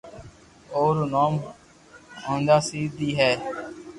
او رو نوم ھونڌا سي دي ھي